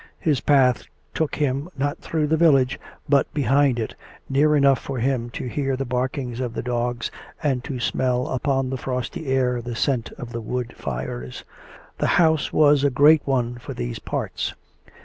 His path took him not tlirough the village, but behind it, near enough for him to hear the barkings of the dogs and to smell ujjon the frosty air the scent of the wood fires. The house was a great one for these parts.